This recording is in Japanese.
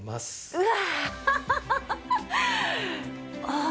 うわ！